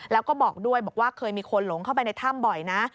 แล้วก็บอกด้วยบอกว่าเคยมีคนหลงเข้าไปในถ้ำบ่อยนะ